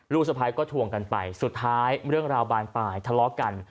สะพ้ายก็ทวงกันไปสุดท้ายเรื่องราวบานปลายทะเลาะกัน